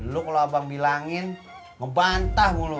lu kalau abang bilangin ngebantah lu